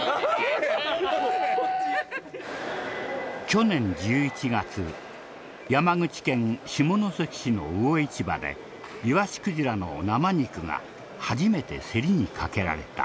去年１１月山口県下関市の魚市場でイワシクジラの生肉が初めて競りにかけられた。